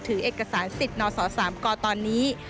ถือเอกสารสิทธิ์นศ๓กตอนนี้